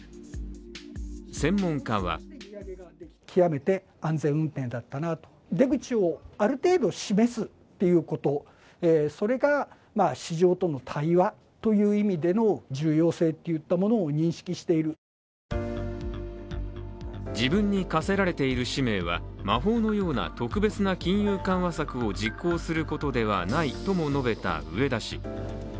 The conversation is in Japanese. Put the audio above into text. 専門家は自分に課せられている使命は魔法のような特別な金融緩和策を実行することではないとも述べた植田氏。